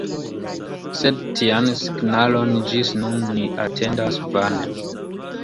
Sed tian signalon ĝis nun ni atendas vane.